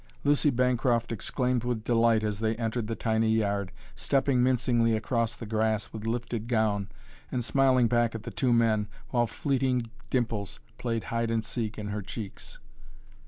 Lucy Bancroft exclaimed with delight as they entered the tiny yard, stepping mincingly across the grass with lifted gown, and smiling back at the two men, while fleeting dimples played hide and seek in her cheeks.